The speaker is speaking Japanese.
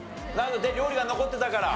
料理が残ってたから。